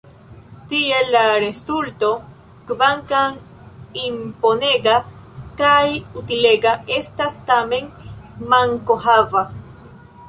Tial la rezulto, kvankam imponega kaj utilega, estas tamen mankohava.